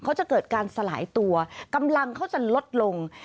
เขาจะเกิดการสลายตัวกำลังเขาจะลดลง